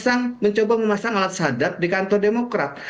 muldoko gain itu hanya mencoba memasang alat sadap di kantor demokrat